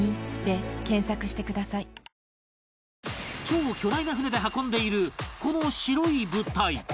超巨大な船で運んでいるこの白い物体